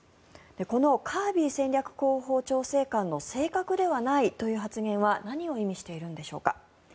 このカービー戦略広報調整官の正確ではないという発言は何を意味しているんでしょうか。